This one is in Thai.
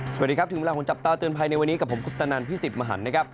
สวัสดีครับถึงเวลาของจับตาเตือนภัยในวันนี้กับผมคุปตนันพี่สิทธิ์มหันนะครับ